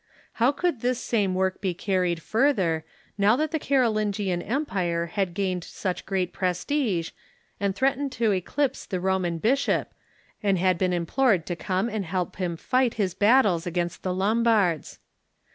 How could this same work be carried further, now that the Carolingian empire had gained such great prestige and threatened to eclipse the Roman bishop, and had been implored to come and help him fight his battles against the Lombards